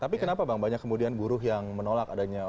tapi kenapa bang banyak kemudian buruh yang menolak adanya